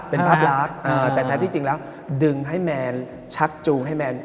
เป็นภาพลักษณ์แต่แท้ที่จริงแล้วดึงให้แมนชักจูงให้แมน